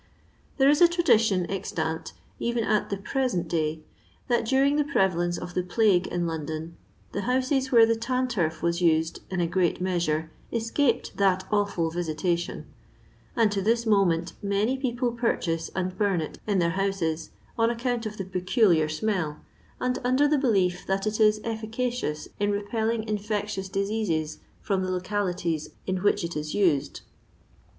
There is a tradition extant, even at the present day, that during the prevalence of the plague in London the houses where the tan turf was used in a great measure escaped that awful visitation ; and to this moment many people purchase and bum it in their houses on account of the peculiar smell, and under the belief that it is efficacious in repelling infectious diseases from the localities in which it is used.